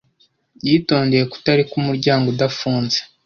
Yitondeye kutareka umuryango udafunze.